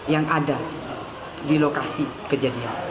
yang ada di lokasi kejadian